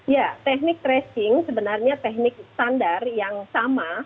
ya teknik tracing sebenarnya teknik standar yang sama